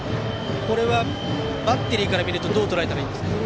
これは、バッテリーから見るとどうとらえたらいいんですか。